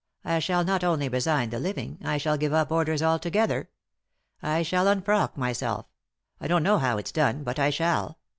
I shall not only resign the living, I shall give up Orders altogether. I shall un frock myself— I don't know how it's done, but I shall.